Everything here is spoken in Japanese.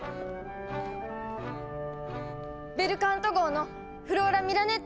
ベルカント号のフローラ・ミラネッティです！